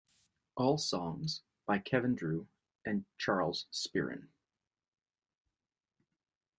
All songs by Kevin Drew and Charles Spearin.